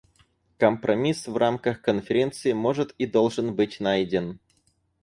Компромисс в рамках Конференции может и должен быть найден.